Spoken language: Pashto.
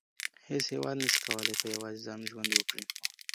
هیڅ هېواد نسي کولای په یوازي ځان ژوند وکړي.